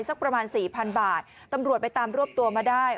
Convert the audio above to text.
สักประมาณสี่พันบาทตำรวจไปตามรวบตัวมาได้